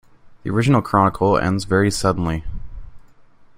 The original chronicle ends very suddenly.